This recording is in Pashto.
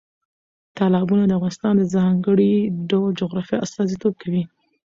تالابونه د افغانستان د ځانګړي ډول جغرافیه استازیتوب کوي.